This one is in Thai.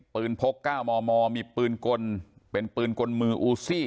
ปืนพกก้าวมอมอมีปืนกลเป็นปืนกลมืออุซี้